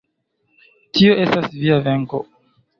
Tio estas via venko.